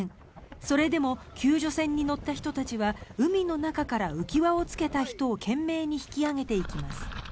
それでも救助船に乗った人たちは海の中から浮輪をつけた人を懸命に引き揚げていきます。